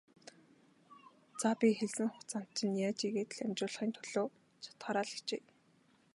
За, би хэлсэн хугацаанд чинь яаж ийгээд л амжуулахын төлөө чадахаараа л хичээе.